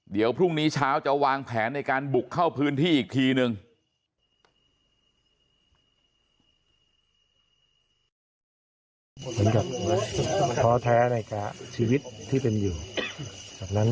เดี๋ยวพรุ่งนี้เช้าจะวางแผนในการบุกเข้าพื้นที่อีกทีนึง